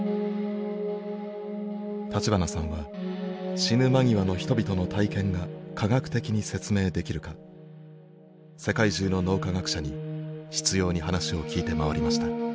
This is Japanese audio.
立花さんは死ぬ間際の人々の体験が科学的に説明できるか世界中の脳科学者に執拗に話を聞いて回りました。